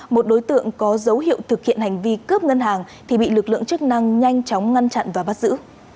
một đối tượng có dấu hiệu thực hiện hành vi cướp ngân hàng thì bị lực lượng chức năng nhanh chóng ngăn chặn và bắt giữ